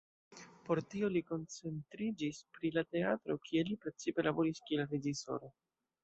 Por tio li koncentriĝis pri la teatro, kie li precipe laboris kiel reĝisoro.